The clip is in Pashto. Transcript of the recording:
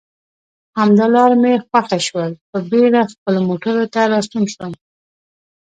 همدا لار مې خوښه شول، په بېړه خپلو موټرو ته راستون شوم.